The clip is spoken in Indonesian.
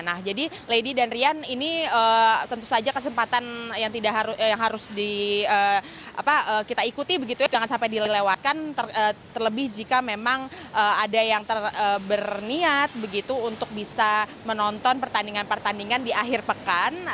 nah jadi lady dan rian ini tentu saja kesempatan yang harus kita ikuti begitu ya jangan sampai dilewatkan terlebih jika memang ada yang berniat begitu untuk bisa menonton pertandingan pertandingan di akhir pekan